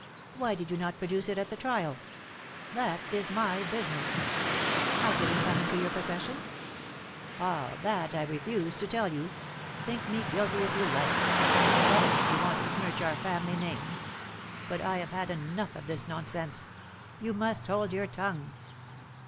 "Why did you not produce it at the trial?" "That is my business." "How did it come into your possession?" "Ah! that I refuse to tell you. Think me guilty if you like. It is evident you want to smirch our family name. But I have had enough of this nonsense. You must hold your tongue."